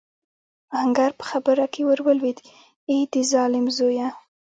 آهنګر په خبره کې ور ولوېد: اې د ظالم زويه!